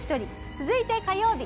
続いて火曜日。